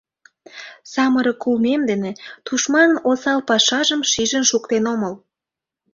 Самырык улмем дене тушманын осал пашажым шижын шуктен омыл.